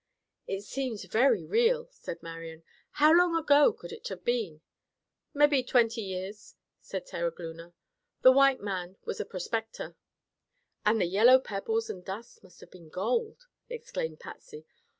"It seems very real," said Marian. "How long ago could it have been?" "Mebby twenty years," said Terogloona. "The white man was a prospector." "And the yellow pebbles and dust must have been gold!" exclaimed Patsy.